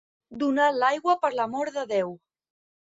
Donar l'aigua per l'amor de Déu.